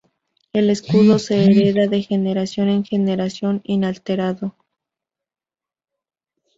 El escudo se heredaba de generación en generación inalterado.